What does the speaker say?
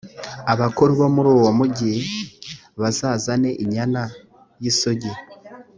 abakuru bo muri uwo mugi bazazane inyana y’isugi